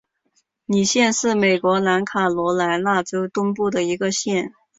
李县是美国南卡罗莱纳州东部的一个县。